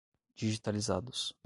digitalizados